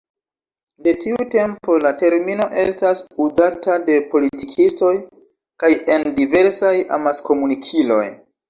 De tiu tempo la termino estas uzata de politikistoj kaj en diversaj amaskomunikiloj.